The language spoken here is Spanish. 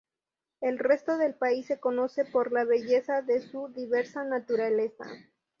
El resto del país se conoce por la belleza de su diversa naturaleza.